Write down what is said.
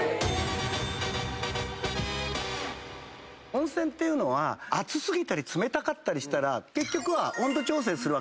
温泉っていうのは熱過ぎたり冷たかったりしたら結局は温度調整するわけですよ。